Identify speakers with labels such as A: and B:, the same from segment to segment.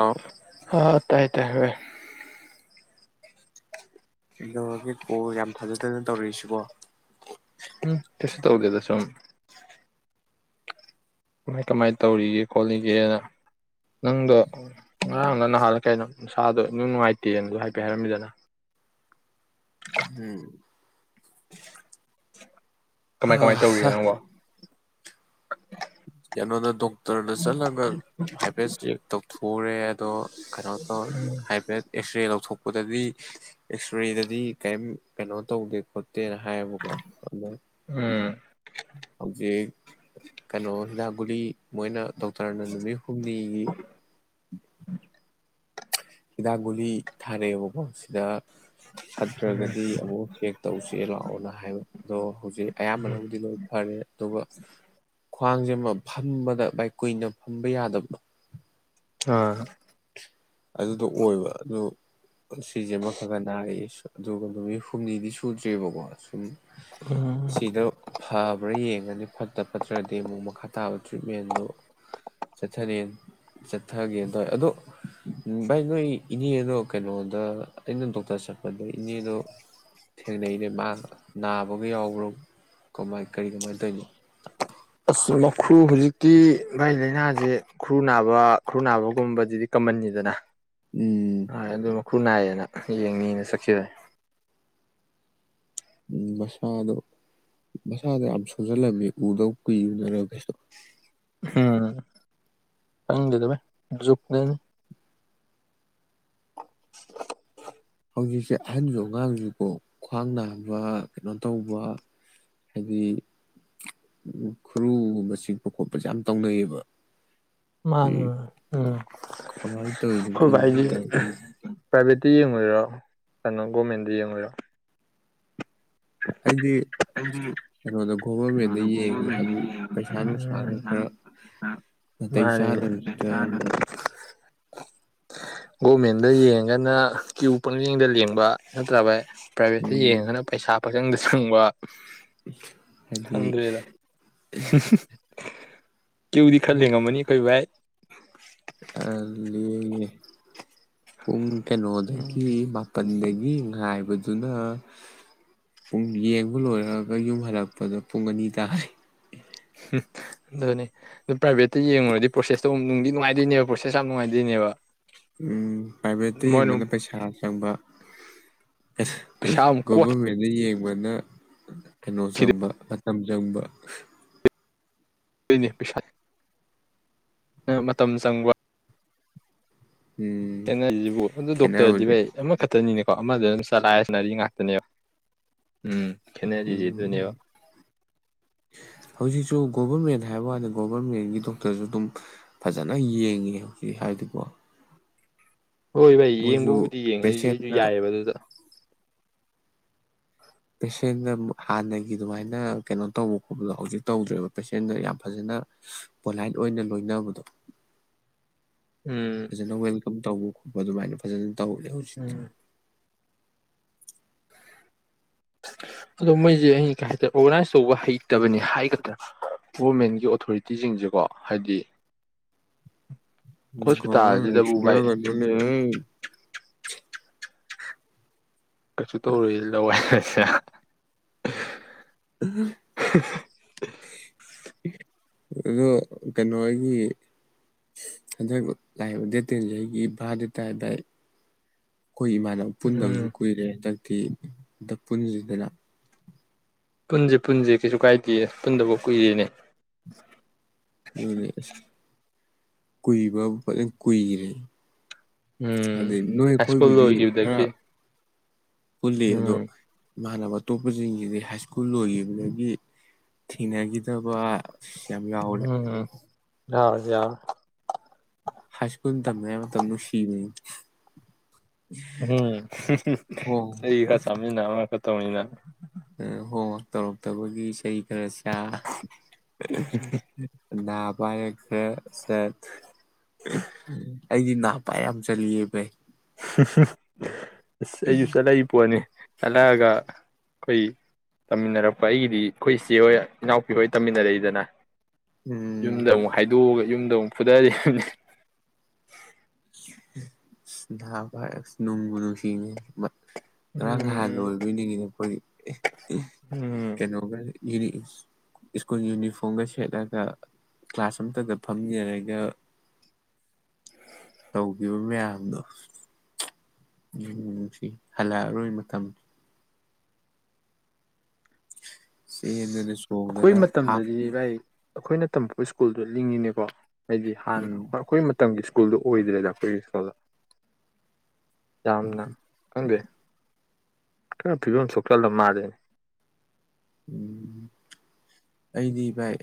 A: ꯍꯥꯎ
B: [unintelligible] ꯑ ꯇꯥꯏ ꯇꯌꯦ ꯕꯥꯏ
A: ꯀꯩꯗꯧꯔꯒꯦ ꯀꫭꯜ ꯌꯥꯝ ꯊꯥꯖꯗꯅ ꯇꯧꯔꯛꯏꯁꯤꯕꯣ
B: ꯎꯝ ꯀꯩꯁꯨ ꯇꯧꯗꯦꯗ ꯁꯨꯝ ꯀꯃꯥꯏ ꯀꯃꯥꯏꯅ ꯇꯧꯔꯤꯒꯦ ꯈꯣꯠꯂꯤꯒꯦꯅ ꯅꯪꯗꯣ ꯉꯔꯥꯡꯂ ꯅꯍꯥꯟꯂ ꯀꯩꯅꯣ ꯅꯁꯥꯗꯣ ꯏꯅꯨꯡ ꯅꯨꯡꯉꯥꯏꯇꯦꯅꯗ ꯍꯥꯏꯐꯦꯠ ꯍꯥꯏꯔꯝꯃꯤꯗꯅ [inaudible]
A: ꯎꯝ
B: ꯀꯃꯥꯏ ꯀꯃꯥꯏ ꯇꯧꯔꯤꯒ ꯅꯪꯕ [inaudible]
A: ꯀꯩꯅꫭꯗ ꯗꫭꯛ ꯗꯣꯛꯇꯔꯗ ꯆꯠꯂꯒ ꯍꯥꯏꯐꯦꯠ ꯆꯦꯛ ꯇꯧꯊꯛꯎꯔꯦ ꯑꯗꯣ ꯀꯩꯅꯣ ꯇꯧꯔ ꯍꯥꯏꯐꯦꯠ ꯑꯦꯛꯁꯔꯦ ꯂꯧꯊꯣꯛ ꯊꯣꯛꯄꯗꯗꯤ ꯑꯦꯛꯁꯔꯦꯗꯗꯤ ꯀꯔꯤꯝ ꯀꯩꯅꯣ ꯇꯧꯗꯦ ꯈꫭꯠ ꯇꯦꯅ ꯍꯥꯏꯌꯦꯕꯀꯣ ꯑꯗꯣ
B: ꯎꯝ
A: ꯍꯧꯖꯤꯛ ꯀꯅꫭ ꯃꯤ ꯃꯣꯏꯅ ꯗꫭꯛ ꯇꯔꯅ ꯅꯨꯃꯤꯠ ꯍꯨꯝꯅꯤꯒꯤ
B: [inaudible]
A: [unintelligible] ꯒꯨꯂꯤ ꯊꯥꯔꯩꯕꯀꯣ ꯁꯤꯗ ꯐꯠꯇ꯭ꯔꯒꯗꯤ ꯑꯃꯨꯛ ꯆꯦꯛ ꯇꯧꯁꯦ ꯂꯥꯛꯑꯣꯅ ꯍꯥꯏꯕ ꯑꯗꯣ ꯍꯧꯖꯤꯛ ꯑꯌꯥꯝꯕꯅꯕꯨꯗꯤ ꯂꯣꯏ ꯐꯔꯦ ꯑꯗꯨꯒ ꯈ꯭ꯋꯥꯡꯖꯦ ꯑꯃ ꯐꯝꯕꯗ ꯕꯥꯏ ꯀꯨꯏꯅ ꯐꯝꯕ ꯌꯥꯗꯕꯗꫭ
B: ꯑ
A: ꯑꯗꯨꯗꯣ ꯑꯣꯏꯕ ꯑꯗꯨ ꯁꯤꯁꯦ ꯑꯃ ꯈꯒ ꯅꯔꯛꯑꯦ ꯑꯗꯨꯒ ꯅꯨꯃꯤꯠ ꯍꯨꯝꯅꯤꯗꯤ ꯁꯨꯗ꯭ꯔꯦꯕꯀꯣ ꯁꯨꯝ
B: ꯎꯝ
A: ꯁꯤꯗ ꯐꯕ꯭ꯔꯥ ꯌꯦꯡ ꯉꯅꯤ ꯐꯠꯇ ꯐꯠꯇ꯭ꯔꯗꯤ ꯑꯃꯨꯛ ꯃꯈꯥ ꯇꯥꯕ ꯇ꯭ꯔꯤꯠꯃꯦꯟꯗꯨ ꯆꯠꯊꯔꯦ ꯆꯠꯊꯒꯦꯅ ꯇꯧꯋꯦ ꯑꯗꯨ ꯚꯥꯏ ꯅꯣꯏ ꯏꯅꯦꯗꯣ ꯀꯩꯅꯣꯗ ꯑꯩꯅ ꯗꯣꯛꯇꯔ ꯆꯠꯄꯗ ꯏꯅꯦꯗꯣ ꯊꯦꯡꯅꯩꯅꯦ ꯃꯥ ꯅꯥꯕꯒ ꯌꯥꯎꯕ꯭ꯔꯣ ꯀꯃꯥꯏ ꯀꯔꯤ ꯀꯃꯥꯏꯅ ꯇꯧꯔꯤꯅꯣ
B: ꯑꯁ ꯋꫭꯏꯃ ꯍꯧꯖꯤꯛꯇꯤ ꯚꯥꯏ ꯂꯥꯏꯅꯥꯖꯦ [unintelligible] ꯈꯨꯔꯨ ꯅꯥꯕ ꯈꯨꯔꯨ ꯅꯥꯕꯒꯨꯝꯕꯖꯤꯗꯤ ꯀꯃꯟꯅꯤꯗꯅ
A: ꯎꯝ
B: ꯈꯨꯅꯥꯏꯌꯦꯅ ꯌꯦꯡꯅꯤꯅ ꯆꯠꯈꯤꯕꯅꯦ
A: ꯎꯝ ꯃꯁꯥꯗꯣ ꯃꯁꯥꯗꯣ ꯌꯥꯝ ꯁꯣꯟꯖꯜꯂꯝꯃꯤ ꯎꯗꯕ ꯀꯨꯏꯕꯅꯔ ꯀꯩꯅꫭ
B: ꯎꯝ ꯈꯪꯗꯦꯗ ꯕꯥꯏ ꯖꯨꯛꯅꯦꯅ
A: ꯍꯧꯖꯤꯛꯁꯦ ꯑꯍꯟꯖꯨ ꯑꯉꯥꯡꯖꯨꯀꯣ ꯈ꯭ꯋꯥꯡ ꯅꯥꯕ ꯀꯩꯅꯣ ꯇꯧꯕ ꯍꯥꯏꯗꯤ [inaudible] ꯈꯨꯔꯨꯒꯨꯝꯕ ꯆꯤꯛꯄ ꯈꯣꯠꯄꯁꯦ ꯌꯥꯝ ꯇꯧꯅꯩꯌꯦꯕ
B: ꯃꯥꯅꯦ ꯕꯥꯏ ꯎꯝ
A: ꯀꯃꯥꯏꯅ ꯇꯧꯔꯤꯅꯣ
B: [inaudible]
A: ꯈꯪꯗꯦ
B: ꯑꯈꫭꯏꯕꯖꯨ
A: ꯇꯧ
B: ꯄ꯭ꯔꯥꯏꯚꯦꯠꯇ ꯌꯦꯡꯉꯣꯏꯔꯥ ꯀꯩꯅꯣ ꯒꯣꯔꯃꯦꯟꯗ ꯌꯦꯡꯉꯣꯏꯔꫭ
A: ꯑꯩꯗꯤ
B: ꯑꯩꯗꯤ
A: ꯀꯩꯅꯣꯗ ꯒꯣꯚꯔꯃꯦꯟꯗ
B: ꯀꯩꯅꯣꯗ
A: ꯌꯦꯡꯉꯦ
B: ꯒꯣꯚꯔꯃꯦꯟꯗ
A: ꯍꯥꯏꯗꯤ
B: ꯌꯦꯡꯉꯦ
A: ꯄꯩꯁꯥ
B: ꯎꯝ
A: ꯅꯨꯡꯁꯥꯒ
B: ꯍꯥꯏꯗꯤ ꯄꯩꯁꯥ
A: ꯈꯔ
B: ꯅꯨꯡꯁꯥꯒ ꯈꯔ ꯃꯥꯅꯤꯅꯦ ꯅꯥꯇꯩ ꯆꯥꯗꯕꯗꯨꯗꯅ [unintelligible] ꯒꯣꯔꯃꯦꯟꯗ ꯌꯦꯡꯉꯒꯅ ꯀ꯭ꯌꯨ ꯄꯪꯖꯦꯡꯗ ꯂꯦꯡꯕ ꯅꯠꯇ꯭ꯔ ꯕꯥꯏ ꯄ꯭ꯔꯥꯏꯚꯦꯠꯇꯁꯤ ꯌꯦꯡꯉꯒꯅ ꯄꯩꯁꯥ ꯆ ꯆꯪꯗ ꯁꯪꯕ
A: ꯍꯥꯏꯗꯤ
B: ꯍꯪꯗ꯭ꯔꯦꯗ ꯀꯦꯨꯗꯤ ꯈꯜꯂꯦꯡꯉꯝꯃꯅꯤ ꯀꯩ ꯚꯥꯏ
A: ꯄꯨꯡ
B: ꯎꯝ
A: ꯀꯩꯅꯣꯗꯒꯤ ꯃꯥꯄꯟꯗꯒꯤ ꯉꯥꯏꯕ ꯑꯗꯨꯕꯗꯨꯅ ꯄꯨꯡ ꯌꯦꯡꯕ ꯂꯣꯏꯔꯛꯑꯒ ꯌꯨꯝ ꯍꯜꯂꯛꯄꯗ ꯄꯨꯡ ꯑꯅꯤ ꯇꯥ
B: ꯎꯝ ꯑꯗꯨꯅꯦ ꯑꯗꯨ ꯄ꯭ꯔꯥꯏꯚꯦꯠꯇ ꯌꯦꯡꯉꯨꯔꯗꯤ ꯄ꯭ꯔꯣꯁꯦꯁꯇꯣ ꯅꯨꯡꯗꯤ ꯅꯨꯡꯉꯥꯏꯗꯣꯏꯅꯦꯕ ꯄ꯭ꯔꯣꯁꯦꯁ ꯌꯥꯝ ꯅꯨꯡꯉꯥꯏꯗꯣꯏꯅꯦꯕ
A: ꯎꯝ ꯄ꯭ꯔꯥꯏꯚꯦꯠꯇ
B: ꯃꯣꯏꯅ ꯑꯃꯨꯛ
A: ꯌꯦꯡꯕꯅ ꯄꯩꯁꯥ ꯆꯪꯕ
B: ꯄꯩꯁꯥ ꯑꯃꯨꯛ
A: ꯣꯕꯔ ꯃꯦꯗꯤ ꯐꯪꯕꯅ ꯀꯩꯅꯣ
B: ꯀꯣꯠꯈꯤꯗꯣꯏꯅꯤ
A: ꯆꯪꯕ ꯃꯇꯝ ꯆꯪꯕ
B: ꯄꯅꯦ ꯄꯁꯥꯏ ꯃꯇꯝ ꯆꯪꯕ
A: ꯎꯝ
B: ꯊꯦꯅꯔꯤꯁꯤꯕꯨ ꯑꯗꯨꯣ ꯗꯣꯛꯇꯔꯗꯤ
A: ꯈꯦꯠꯅꯕꯁꯦ
B: ꯚꯥꯏ ꯑꯃ ꯈꯛꯇꯅꯤꯅꯦ ꯀꯣ ꯑꯃꯗ ꯑꯗꯨꯝ ꯆꯂꯥꯏꯑꯁꯤꯅꯔꯤ ꯉꯥꯛꯇꯅꯦꯕ ꯎꯝ ꯈꯦꯠꯅꯔꯤꯁꯤ ꯑꯗꯨꯅꯦꯕ
A: ꯎꯝ ꯍꯧꯖꯤꯛꯁꯨ ꯒꯣꯚꯔꯃꯦꯟ ꯍꯥꯏꯕ ꯀꯥꯟꯗ ꯒꯣꯚꯔꯃꯦꯟꯒꯤ ꯗꯣꯛꯇꯔꯁꯨ ꯑꯗꯨꯝ ꯐꯖꯅ ꯌꯦꯡꯉꯤ ꯍꯧꯖꯤꯛ ꯍꯥꯏꯗꯤꯀꯣ
B: ꯍꯣꯏ ꯚꯥꯏ
A: ꯃꯣꯏꯁꯨ
B: ꯌꯦꯡꯕꯕꯨꯗꯤ ꯌꯦꯡꯉꯦ ꯑꯩꯗꯤ ꯑꯩꯁꯨ
A: ꯄꯦꯁꯦꯟꯅ
B: ꯌꯥꯏꯑꯕ ꯑꯗꯨꯗ
A: ꯄꯦꯁꯦꯟꯗ ꯍꯥꯟꯅꯒꯤ ꯑꯗꯨꯃꯥꯏꯅ ꯀꯩꯅꯣ ꯇꯧꯕ ꯈꯣꯠꯄꯗꯣ ꯍꯧꯖꯤꯛ ꯇꯧꯗ꯭ꯔꯦꯕ ꯄꯦꯁꯦꯟꯗ ꯌꯥꯝ ꯐꯖꯅ ꯄꯣꯂꯥꯏꯠ ꯑꯣꯏꯅ ꯂꯣꯏꯅꯕꯗꯣ
B: ꯎꯝ
A: ꯐꯖꯅ ꯋꯦꯜꯀꯝ ꯇ ꯑꯗꯨꯃꯥꯏꯅ ꯐꯖꯅ ꯇꯕ ꯍꯧ ꯎꯆꯖꯤ
B: ꯎꯝ ꯑꯗꯣ ꯃꯣꯏꯁꯦ ꯑꯩ ꯀꯩ ꯍꯥꯏꯇꯥꯔꯦ ꯑꯣꯔꯒꯅꯥꯏꯁ ꯇꯧꯕ ꯍꯩꯇꯕꯅꯤ ꯍꯥꯏꯒꯗ꯭ꯔꯥ ꯒꯣꯚꯃꯦꯟꯒꯤ ꯑꯣꯊꯣꯔꯤꯇꯤꯁꯤꯡꯁꯦꯀꯣ ꯍꯥꯏꯗꯤ
A: ꯎ
B: ꯍꯣꯁꯄꯤꯇꯥꯜꯁꯤꯗꯕꯨ
A: ꯀꯣꯁꯤꯗ
B: ꯚꯥꯏ
A: ꯀꯗꯅꯤ
B: ꯀꯩꯁꯨ ꯇꯧꯔꯨ ꯂꯋꯥꯏ ꯑ [inaudible]
A: ꯑꯗꯣ ꯀꯩꯅꯣ ꯑꯩꯒꯤ ꯍꯟꯗꯛ ꯂꯥꯛꯏꯕ ꯗꯦꯠ ꯇꯦꯟꯁꯦ ꯑꯩꯒꯤ ꯚꯥ ꯗꯦ ꯇꯥꯏ ꯚꯏ ꯑꯩꯈꯣꯏ ꯏꯃꯥꯟꯅꯕ ꯄꯨꯟꯗꯕꯁꯨ
B: ꯎꯝ
A: ꯀꯨꯏꯔꯦ ꯍꯟꯗꯛ ꯀꯤ ꯗ ꯄꯨꯟꯁꯤꯗꯅ
B: ꯄꯨꯟꯁꯦ ꯄꯨꯟꯁꯦ ꯀꯩꯁꯨ ꯀꯥꯏꯗꯦ ꯄꯨꯟꯗꯐꯧ ꯀꯨꯏꯔꯦꯅꯦ
A: ꯎꯝ ꯀꯨꯏꯕꯕꯨ ꯐꯖꯅ ꯀꯨꯏꯔꯦ
B: ꯎꯝ
A: ꯍꯥꯏꯗꯤ ꯅꯣꯏ
B: ꯍꯥꯏꯁꯀꯨꯜ
A: ꯑꯩꯈꯣꯏꯕꯨꯗꯤ ꯈꯔ
B: ꯂꯣꯏꯒꯤꯕꯗꯀꯤ
A: ꯄꯨꯜꯂꯤ ꯑꯗꯨꯣ ꯃꯥꯅꯕ ꯑꯇꯣꯞꯄꯖꯤꯡꯁꯤꯗꯤ ꯍꯥꯏ ꯁ꯭ꯀꯨꯜ ꯂꯣꯏꯈꯤꯕꯗꯒꯤ ꯊꯦꯡꯅꯈꯤꯗꯕ ꯌꯥꯝ ꯌꯥꯎꯔꯦ
B: ꯎꯝ [inaudible]
A: ꯍꯥꯏꯁꯀꯨꯜ ꯇꯝꯃꯤ ꯉꯥꯏ ꯃꯇꯝꯗꯨ ꯅꯨꯡꯁꯤꯕꯅꯦ
B: ꯎꯝ ꯍꯩ ꯈꯔꯥ ꯆꯥꯃꯤꯟ ꯅꯥ ꯑꯃꯥ ꯇꯧꯃꯤꯟ ꯅꯥ
A: ꯎꯜ ꯍꯣ ꯇꯧꯔꯛꯇꯕꯩ ꯏꯁꯩꯅꯤ ꯁꯥ [inaudible] ꯅꯥ ꯄꯥꯏꯔꯥ ꯈꯔꯥ
B: [inaudible]
A: ꯑꯩꯗꯤ ꯅꯥꯄꯥꯏꯔ ꯌꯥꯝ ꯆꯠ ꯂꯦ ꯕꯥꯏ
B: [inaudible] ꯑꯁ ꯑꯩꯁꯨ ꯆꯠꯂꯛꯏ ꯄꯣꯠꯅꯤ ꯆꯠꯂꯛꯑꯒ ꯑꯩꯈꯣꯏ ꯇꯝꯃꯤꯟꯅꯔꯛꯄ ꯑꯩꯒꯤꯗꯤ ꯑꯩꯈꯣꯏ ꯏꯆꯦꯍꯣꯏ ꯏꯅꯥꯎꯄꯤ ꯍꯣꯏ ꯇꯝꯃꯤꯟꯅꯔꯛꯏꯗꯅ
A: ꯎꯝ
B: ꯌꯨꯝꯗ ꯑꯃꯨꯛ ꯍꯥꯏꯗꯣꯛꯑꯒ ꯌꯨꯝꯗ ꯑꯃꯨꯛ ꯐꯨꯗꯔꯤꯅꯤ
A: ꯅꯍꯥꯟ ꯋꯥꯏ ꯅꯨꯡꯕꯨ ꯅꯨꯡꯁꯤꯅꯦ ꯉꯔꯥꯡ
B: ꯎꯝ
A: ꯅꯍꯥꯟꯗ ꯑꯣꯏꯔꯕꯣꯏꯗ ꯅꯤꯡꯉꯤꯅꯦ ꯑꯩꯈꯣꯏ
B: ꯎꯝ
A: ꯀꯩꯅꯣꯒ ꯁ꯭ꯀꯨꯜ ꯌꯨꯅꯤꯐꯣꯔꯝꯒ ꯁꯦꯠꯂꯒ ꯀ꯭ꯂꯥꯁ ꯑꯝꯇꯒ ꯐꯝꯃꯤꯟꯅꯔꯒ ꯇꯧꯈꯤꯕ ꯃꯌꯥꯝꯗꯣ ꯅꯨꯡꯁꯤ ꯍꯜꯂꯛꯑꯔꯣꯏ ꯃꯇꯝ ꯆꯦꯟꯗꯅ
B: ꯑꯩꯈꯣꯏ
A: ꯆꯣꯡꯗꯅ ꯍꯥꯞ
B: ꯃꯇꯝꯗꯗꯤ ꯚꯥꯏ ꯑꯩꯈꯣꯏꯅ ꯇꯝꯃꯛꯄ ꯁ꯭ꯀꯨꯜꯗꯣ ꯂꯤꯡꯉꯤꯅꯦꯀꯣ ꯍꯥꯏꯗꯤ ꯍꯥꯟꯅ
A: ꯎꯝ
B: ꯑꯩꯈꯣꯏ ꯃꯇꯝꯒꯤ ꯁꯀꯨꯜ ꯁ꯭ꯀꯨꯜꯗꯨ ꯑꯣꯏꯗ꯭ꯔꯦꯗ [inaudible] ꯌꯥꯝꯝꯅ ꯈꯪꯗꯦ ꯈꯔꯥ ꯐꯤꯕꯝ ꯁꯣꯛꯆꯜ ꯂꯥ ꯃꯥꯜꯂꯦ
A: ꯎꯝ ꯑꯩꯗꯤ ꯚꯥꯏ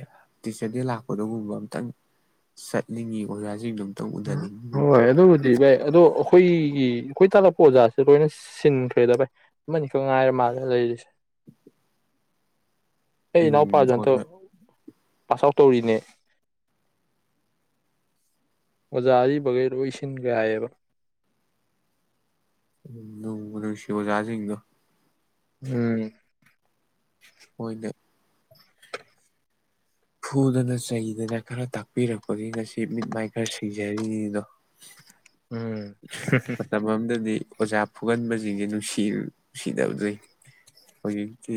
A: ꯇꯤꯆꯔꯗ ꯂꯥꯛꯄꯗꯒꯨꯝꯕ ꯑꯝꯇꯪ ꯆꯠꯅꯤꯡꯉꯤ ꯑꯣꯖꯥꯁꯤꯡ ꯑꯗꯨꯝ
B: ꯍꯣꯏꯣꯏ ꯑꯗꯨꯕꯨꯗꯤ ꯚꯥꯏ ꯑꯗꯣ ꯑꯩꯈꯣꯏ ꯑꯩꯒꯤ ꯑꯩꯈꯣꯏ ꯇꯥꯛꯂꯛꯄ ꯑꯣꯖꯥꯁꯤ ꯂꯣꯏꯅ ꯁꯤꯟꯈ꯭ꯔꯦꯗ ꯚꯥꯏ ꯑꯃꯅꯤꯈꯛ ꯉꯥꯏꯔ ꯃꯥꯜꯂꯦ ꯂꯩꯔꯤꯁꯦ ꯑꯩ
A: ꯎꯝ
B: ꯏꯅꯥꯎꯄꯥꯖꯇꯣ
A: ꯑꯣꯖꯥ
B: ꯄꯥꯁ ꯑꯥꯎꯠ ꯇꯧꯔꯤꯅꯦ ꯑꯣꯖꯥ ꯑꯔꯤꯕ ꯒꯩ ꯂꯣꯏꯁꯤꯟꯒꯔꯦ ꯍꯥꯏꯌꯦꯕ
A: ꯅꯨꯡꯕꯨ ꯅꯨꯡꯁꯤ ꯑꯣꯖꯒꯩꯗꯣ
B: ꯎꯝ
A: ꯍꯣꯏꯅꯦ ꯐꯨꯗꯅ ꯆꯩꯗꯅ ꯈꯔ ꯇꯥꯛꯄꯤꯔꯛꯄꯒꯤ ꯉꯁꯤ ꯃꯤꯠ ꯃꯥꯏ ꯈꯔ ꯁꯤꯡꯖꯔꯤꯅꯤꯗꯣ
B: ꯎꯝ
A: ꯃꯇꯝ ꯑꯝꯗꯗꯤ ꯑꯣꯖꯥ ꯐꯨꯒꯟꯕꯁꯤꯡꯁꯦ ꯅꯨꯡꯁꯤ ꯅꯨꯡꯁꯤꯗꯕꯅꯤ ꯍꯧꯖꯤꯛꯇꯤ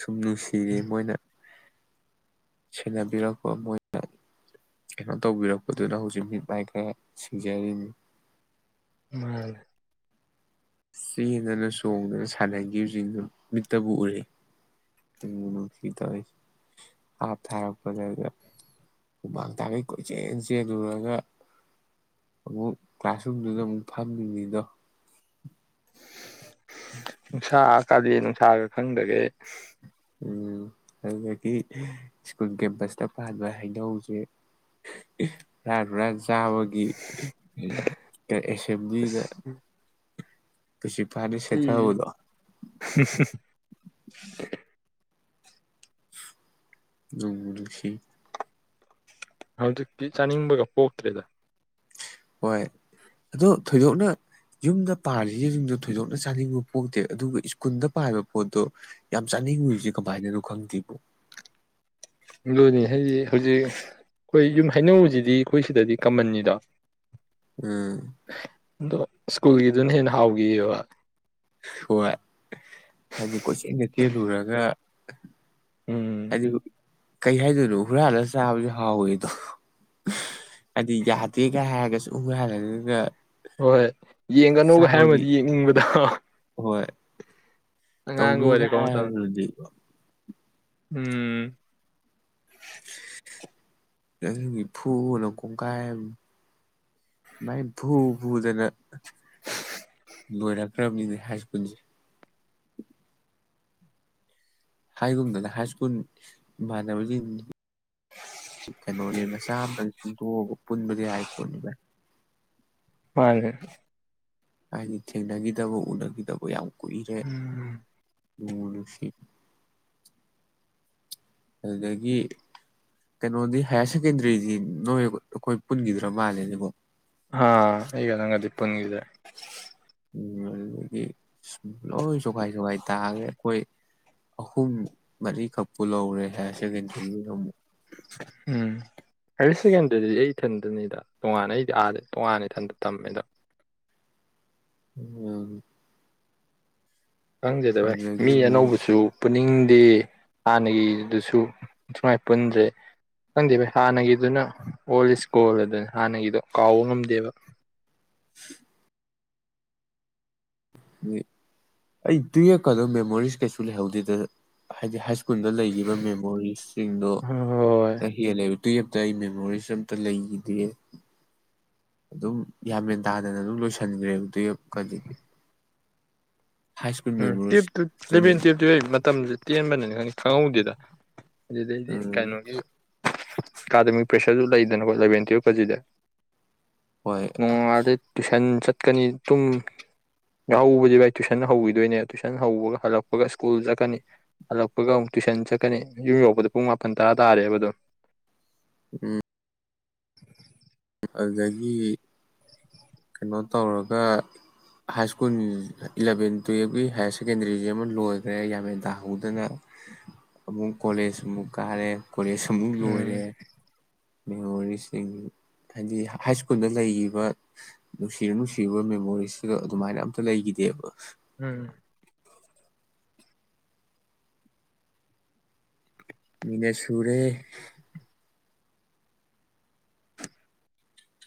A: ꯁꯨꯝ ꯅꯨꯡꯁꯤꯔꯤ ꯃꯣꯏꯅ ꯁꯦꯟꯅꯕꯤꯔꯛꯄ ꯃꯣꯏꯅ ꯀꯩꯅꯣ ꯇꯧꯕꯤꯔꯛꯄꯗꯨꯅ ꯍꯧꯖꯤꯛ ꯃꯤꯠ ꯃꯥꯏ ꯈꯔ ꯁꯤꯡꯖꯔꯤꯅꯤ
B: ꯎꯝ
A: ꯆꯦꯟꯗꯅ ꯆꯣꯡꯗꯅ ꯁꯥꯟꯅꯒꯤꯕꯁꯤꯡꯗꯨ ꯃꯤꯠꯇꯕꯨ ꯎꯔꯛꯏ ꯅꯨꯡꯕꯨ ꯅꯨꯡꯁꯤ ꯇꯧꯏ ꯍꯥꯞ ꯊꯥꯔꯛꯄꯗꯒ ꯍꯨꯃꯥꯡ ꯊꯥꯛꯈꯩ ꯀꯣꯏꯆꯦꯜ ꯆꯦꯜꯂꯨꯔꯒ ꯑꯃꯨꯛ ꯀ꯭ꯂꯥꯁꯔꯨꯝꯗꯨꯗ ꯑꯃꯨꯛ ꯐꯝꯃꯤꯅꯤꯗꯣ
B: ꯅꯨꯡꯁꯥ ꯀꯥꯂꯦꯟ ꯁꯥꯒ ꯈꯪꯗꯒꯩ
A: ꯎꯝ ꯑꯗꯨꯗꯒꯤ ꯁ꯭ꯀꯨꯜ ꯀꯦꯝꯄꯁꯇ ꯄꯥꯟꯕ ꯍꯩꯅꯧꯁꯦ ꯍꯨꯔꯥꯟ ꯍꯨꯔꯥꯟ ꯆꯥꯕꯒꯤ ꯎꯝ ꯀꯩ ꯑꯦꯁꯦꯝꯕ꯭ꯂꯤꯗ ꯄ꯭ꯔꯤꯟꯁꯤꯄꯥꯜꯅ
B: ꯎꯝ
A: ꯁꯦꯠꯊꯕꯗꯣ
B: [unintelligible]
A: ꯅꯨꯡꯕꯨ ꯅꯨꯡꯁꯤ
B: ꯍꯧꯖꯤꯛꯇꯤ ꯆꯥꯅꯤꯡꯕꯒ ꯄꯣꯛꯇ꯭ꯔꯦꯗ
A: ꯍꯣꯏ ꯑꯗꯣ ꯊꯣꯏꯗꯣꯛꯅ ꯌꯨꯝꯗ ꯄꯥꯜꯂꯤꯁꯤꯡꯗꯨ ꯊꯣꯏꯗꯣꯛꯅ ꯆꯥꯅꯤꯡꯕꯕ ꯄꯣꯛꯇꯦ ꯑꯗꯨꯒ ꯁ꯭ꯀꯨꯜꯗ ꯄꯥꯂꯤꯕ ꯄꯣꯠꯇꯣ ꯌꯥꯝ ꯆꯥꯅꯤꯡꯉꯨꯏꯁꯦ ꯀꯃꯥꯏꯅꯅꯣ ꯈꯪꯗꯦꯕꯣ
B: ꯑꯗꯨꯅꯤ ꯍꯥꯏꯖꯤ ꯍꯧꯖꯤꯛ ꯑꯩꯈꯣꯏ ꯌꯨꯝ ꯍꯩꯅꯧꯁꯤꯗꯤ ꯑꯩꯈꯣꯏ ꯁꯤꯗꯗꯤ ꯀꯃꯟꯅꯤꯗ
A: ꯎꯝ
B: ꯑꯗꯣ ꯁ꯭ꯀꯨꯜꯒꯤꯗꯨꯅ ꯍꯦꯟꯅ ꯍꯥꯎꯒꯤꯑꯕ
A: ꯍꯣꯏ ꯍꯥꯏꯗꯤ ꯀꯣꯏꯆꯦꯜꯒ ꯆꯦꯜꯂꯨꯔꯒ
B: ꯎꯝ
A: ꯍꯥꯏꯗꯤ ꯍꯨ ꯀꯩ ꯍꯥꯏꯗꯣꯏꯅꯣ ꯍꯨꯔꯥꯜꯂꯒ ꯆꯥꯕꯁꯨ ꯍꯥꯎꯋꯦꯗꯣ ꯍꯥꯏꯗꯤ ꯌꯥꯗꯦꯒ ꯍꯥꯏꯔꯒꯁꯨ ꯍꯨꯔꯥꯜꯂꯒꯒ
B: ꯍꯣꯏ ꯌꯦꯡꯒꯅꯨꯒ ꯍꯥꯏꯔꯝꯃꯗꯤ ꯌꯦꯡꯅꯤꯡꯕꯗꯣ
A: ꯍꯣꯏ
B: ꯑꯉꯥꯡꯒ
A: ꯇꯧꯅꯨꯒ
B: ꯑꯣꯏꯔꯦꯀꯣ ꯃꯇꯝ
A: ꯍꯥꯏꯔꯨꯔꯗꯤꯕ
B: ꯎꯝ
A: ꯅꯒꯤ ꯐꯨꯕꯅ ꯀꯣꯡꯒꯥꯏꯝ ꯃꯥꯏ ꯐꯨ ꯐꯨꯗꯅ
B: [unintelligible]
A: ꯂꯣꯏꯔꯛꯈ꯭ꯔꯝꯅꯤꯅꯦ ꯍꯥꯏ ꯁ꯭ꯀꯨꯜꯁꯦ ꯍꯥꯏꯒꯨꯝꯗꯅ ꯍꯥꯏ ꯁ꯭ꯀꯨꯜ ꯏꯃꯥꯟꯅꯕꯁꯤꯡ ꯀꯩꯅꯣ ꯌꯦꯅ ꯃꯆꯥ ꯑꯃꯇ ꯆꯤꯡꯊꯣꯛꯑꯒ ꯄꯨꯟꯕꯒꯤ ꯌꯥꯔꯤ ꯄꯣꯠꯅꯤꯗ
B: ꯍꯣꯏ
A: ꯍꯥꯏꯗꯤ ꯊꯦꯡꯅꯒꯤꯗꯕ ꯎꯅꯒꯤꯗꯕ ꯌꯥꯝ
B: ꯎꯝ
A: ꯅꯨꯡꯕꯨ ꯅꯨꯡꯁꯤ ꯑꯗꯨꯗꯒꯤ ꯀꯩꯅꯣꯗꯤ ꯍꯥꯏꯌꯔ ꯁꯦꯀꯦꯟꯗ꯭ꯔꯤꯗꯤ ꯅꯣꯏ ꯑꯩꯈꯣꯏ ꯄꯨꯟꯒꯤꯗ꯭ꯔ ꯃꯥꯜꯂꯦꯅꯦꯀꯣ
B: ꯑꯥ ꯑꯩꯒ ꯅꯪꯒꯗꯤ ꯄꯨꯟꯒꯤꯗ꯭ꯔꯦ
A: ꯎ ꯑꯗꯨꯗꯒꯤ ꯁꯨꯝ ꯂꯣꯏ ꯁꯣꯒꯥꯏ ꯁꯣꯒꯥꯏ ꯇꯥꯒ꯭ꯔꯦ ꯑꯩꯈꯣꯏ ꯑꯍꯨꯝ ꯃꯔꯤꯈꯛ ꯄꯨ ꯂꯧ ꯄꯨꯔꯦ ꯍꯦꯁꯦ ꯀꯦꯟꯗ ꯏ ꯍꯨ
B: ꯍꯥꯌꯌꯔ ꯁꯦꯀꯦꯟꯗꯔꯤꯗꯗꯤ ꯑꯩ ꯏꯊꯟꯗꯅꯤꯗ ꯇꯣꯉꯥꯟꯅ ꯑꯩꯗꯤ ꯑꯥꯗꯦ ꯇꯣꯉꯥꯟꯅ ꯏꯟꯗ ꯇꯝꯃꯦꯗ
A: ꯎꯝ
B: ꯈꯪꯖꯗ ꯚꯏ ꯃꯤ
A: ꯑꯃꯨꯛ
B: ꯑꯅꯧꯕꯁꯨ ꯄꯨꯅꯤꯡꯗꯦ ꯍꯥꯟꯅꯒꯤꯗꯨꯁꯨ ꯁꯨꯃꯥꯏ ꯄꯨꯟꯗ꯭ꯔꯦ ꯈꯪꯗꯦꯕꯩ ꯍꯥꯟꯅꯒꯤꯗꯨꯅ ꯑꯣꯜ ꯏꯁ ꯒꯣꯜ ꯑꯗꯨꯅ ꯍꯥꯟꯅꯒꯤꯗꯣ ꯀꯥꯎꯕ ꯉꯝꯗꯦꯕ
A: ꯑꯩ ꯇꯨꯌꯦꯞꯀꯗ ꯃꯦꯃꯣꯔꯤꯁ ꯀꯩꯁꯨ ꯂꯩꯍꯧꯗꯦꯗ ꯍꯥꯏꯗꯤ ꯍꯥꯏ ꯁ꯭ꯀꯨꯜꯗ ꯂꯩꯈꯤꯕ ꯃꯦꯃꯣꯔꯤꯁꯁꯤꯡꯗꯣ
B: ꯍꯣꯏ
A: ꯍꯦꯜꯂꯕ ꯇꯨꯌꯦꯞꯇ ꯑꯩ ꯃꯦꯃꯣꯔꯤꯁ ꯑꯝꯇ ꯂꯩꯈꯤꯗꯦ ꯑꯗꯨꯝ ꯌꯥꯝ ꯃꯦꯟ ꯇꯥꯗꯅ ꯑꯗꯨꯝ ꯂꯣꯏꯁꯤꯟꯈ꯭ꯔꯦꯕ ꯀ
B: ꯎꯝ ꯇꯨꯌꯦꯞꯇꯨ
A: ꯃꯦꯃꯣꯔꯤꯁꯁꯤꯅꯤ
B: ꯏꯂꯚꯦꯟ ꯇꯨꯌꯦꯞꯇꯨ ꯃꯇꯝꯁꯦ ꯇꯦꯟꯕꯅꯤꯅ ꯈꯥꯎꯗꯦꯗ ꯑꯗꯨꯗꯩꯗꯤ
A: ꯎꯝ
B: ꯀꯩꯅꯣꯒꯤ ꯑꯦꯀꯥꯗꯃꯤꯛ ꯄ꯭ꯔꯦꯁꯔꯁꯨ ꯂꯩꯗꯅꯀꯣ ꯏꯂꯚꯦꯟ ꯇꯨꯌꯦꯜ ꯐꯖꯤꯗꯦ
A: ꯍꯣꯏ
B: ꯃꯗ ꯇꯨꯁꯟ ꯆ ꯆꯠꯀꯅꯤ ꯇꯨꯝ ꯌꯥꯎꯎꯧꯕꯁꯦ ꯚꯥꯏ ꯇꯨꯏꯁꯟ ꯍꯧꯋꯤꯗ ꯑꯗꯨꯏꯅꯦ ꯇꯨꯏꯁꯟ ꯍꯧꯕꯒ ꯍꯜꯂꯛꯄꯒ ꯁ꯭ꯀꯨꯜ ꯆꯠꯀꯅꯤ ꯍꯜꯂꯛꯄꯒ ꯑꯃꯨꯛ ꯇꯨꯏꯁꯟ ꯆꯠꯀꯅꯤ ꯌꯨꯝ ꯌꯣꯛꯄꯗ ꯄꯨꯡ ꯃꯥꯄꯜ ꯇꯔꯥ ꯇꯥꯔꯦꯕ ꯑꯗꯨꯣ
A: ꯎꯝ
B: [inaudible]
A: ꯑꯗꯨꯗꯒꯤ ꯀꯩꯅꯣ ꯇꯧꯔꯒ ꯍꯥꯏ ꯁ꯭ꯀꯨꯜ ꯏꯂꯚꯦꯟ ꯇꯨꯌꯦꯦꯜꯞꯀꯤ ꯍꯥꯏꯔ ꯁꯦꯀꯦꯟꯗꯔꯤꯁ ꯑꯃ ꯂꯣꯏꯈ꯭ꯔꯦ ꯌꯥꯝ ꯍꯦꯦꯟꯗꯥꯍꯧꯗꯅ ꯑꯃꯨꯛ ꯀꯣꯂꯦꯖ ꯑꯃꯨꯛ ꯀꯥꯔꯦ ꯀꯣꯂꯦꯖ
B: ꯎꯝ
A: ꯃꯔꯤꯁꯤꯡ ꯍꯥꯏꯗꯤ ꯍꯥꯏ ꯁ꯭ꯀꯨꯜꯗ ꯂꯩꯔꯤꯕꯈꯤꯕ ꯅꯨꯡꯁꯤꯔ ꯅꯨꯡꯁꯤꯔꯤꯕ ꯃꯦꯃꯣꯔꯤꯁꯤꯗꯣ ꯑꯗꯨꯃꯥꯏꯅ ꯑꯝꯇ ꯂꯩꯈꯤꯗꯦꯕ
B: ꯎꯝ
A: ꯃꯤꯅꯦ ꯁꯨꯔꯦ